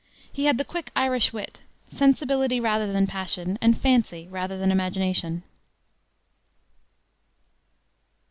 He had the quick Irish wit, sensibility rather than passion, and fancy rather than imagination.